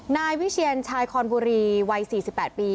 นายวิเชียนชายคอนบุรีวัย๔๘ปี